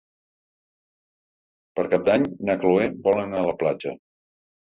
Per Cap d'Any na Chloé vol anar a la platja.